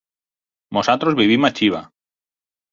Nosaltres vivim a Xiva.